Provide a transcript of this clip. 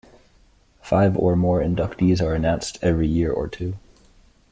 Five or more inductees are announced every year or two.